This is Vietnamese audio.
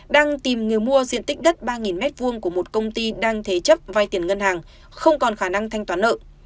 đang tìm người mua diện tích đất ba m hai của một công ty đang thế chấp vai tiền ngân hàng không còn khả năng thanh toán nợ